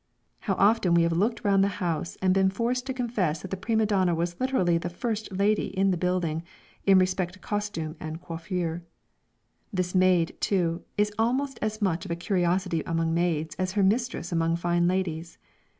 How often have we looked round the house and been forced to confess that the prima donna was literally the first lady in the building, in respect to costume and coiffure. This maid too, is almost as much of a curiosity among maids as her mistress among fine ladies.